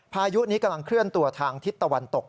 พายุนี้กำลังเคลื่อนตัวทางทิศตะวันตก